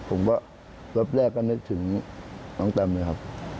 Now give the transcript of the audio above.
ผมก็รอบแรกก็นึกถึงน้องแตมเลยครับ